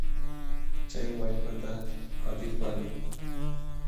Chay wallpata qatirpariy.